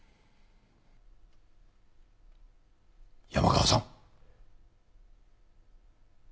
山川さん！